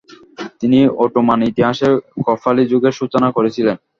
তিনি অটোমান ইতিহাসে কপ্রালি যুগের সূচনা করেছিলেন।